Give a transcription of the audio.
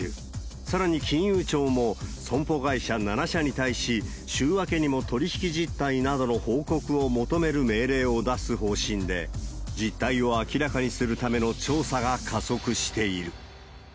さらに金融庁も、損保会社７社に対し、週明けにも取り引き実態などの報告を求める命令を出す方針で、実態を明らかにするための調査が加速している。